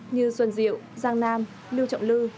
như xuân diệu giang nam lưu trọng lư